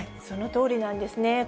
そのとおりなんですね。